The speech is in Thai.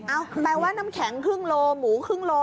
แปลว่าน้ำแข็งครึ่งโลหมูครึ่งโล